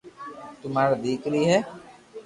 تو ماري ديڪري ھي